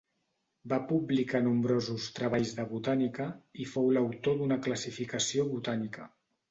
Va publicar nombrosos treballs de botànica i fou l'autor d'una classificació botànica.